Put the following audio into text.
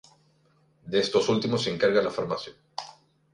De estos últimos se encarga la farmacia.